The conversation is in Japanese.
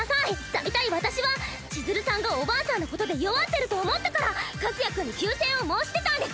だいたい私は千鶴さんがおばあさんのことで弱ってると思ったから和也君に休戦を申し出たんです。